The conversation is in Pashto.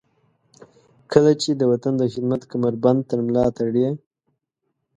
کله چې د وطن د خدمت کمربند تر ملاتړئ.